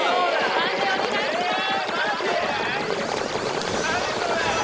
判定お願いします。